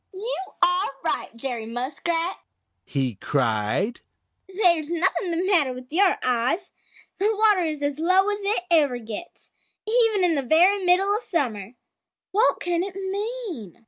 "You are right, Jerry Muskrat!" he cried. "There's nothing the matter with your eyes. The water is as low as it ever gets, even in the very middle of summer. What can it mean?"